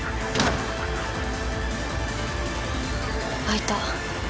開いた。